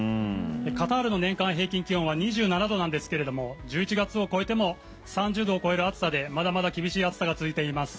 カタールの年間平均気温は２７度なんですけれども１１月を越えても３０度を超える暑さでまだまだ厳しい暑さが続いています。